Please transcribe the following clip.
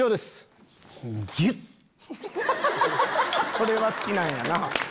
これは好きなんやな。